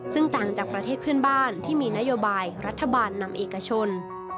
ซึ่งต่างจากประเทศเพื่อนบ้านที่มีนโยบายรัฐบาลนำเอกชน